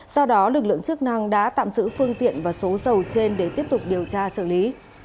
sau đó lực lượng chức năng đã tạm giữ phương tiện và số dầu trên để tiếp tục điều tra xử lý